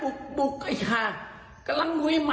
บุกค่ะกำลังงุยมัน